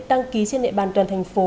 đăng ký trên địa bàn toàn thành phố